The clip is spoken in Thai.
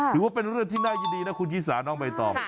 ถือว่าเป็นเรื่องที่น่ายินดีนะคุณชิสาน้องใบตอง